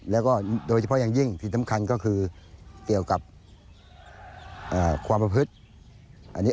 แล้วก็โดยเฉพาะอย่างยิ่งที่สำคัญก็คือเกี่ยวกับความประพฤติ